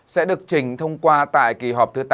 sẽ được trình thông qua tại kỳ họp thứ tám